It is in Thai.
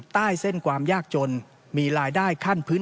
ถ้าคุณคิดว่ารักษ์มันพิสูจน์ทั้งความแล้ว